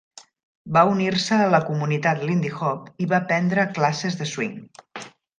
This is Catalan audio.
Va unir-se a la comunitat lindy-hop i va prendre classes de swing.